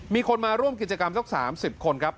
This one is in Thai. มีคนมาร่วมกิจกรรมสัก๓๐คนครับ